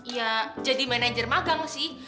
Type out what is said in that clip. ya jadi manajer magang sih